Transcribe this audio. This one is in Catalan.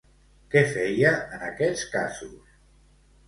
Què feia en aquests casos?